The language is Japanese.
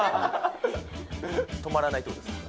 止まらないってことですか？